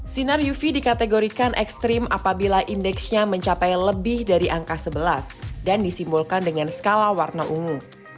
sinar uv dikategorikan ekstrim apabila indeksnya mencapai lebih dari angka sebelas dan disimbolkan dengan skala warna ungu